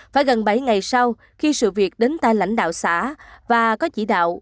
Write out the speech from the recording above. phải gần bảy ngày sau khi sự việc đến tay lãnh đạo xã và có chỉ đạo